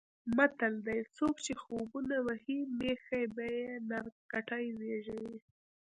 متل دی: څوک چې خوبونه وهي مېښه به یې نر کټي زېږوي.